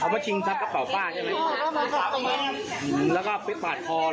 เอามาชิงซับกระเป๋าฝ้าใช่ไหมแล้วก็ไปปาดคอเหรอ